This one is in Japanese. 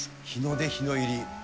日の出日の入り。